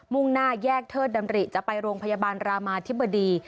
่งหน้าแยกเทิดดำริจะไปโรงพยาบาลรามาธิบดี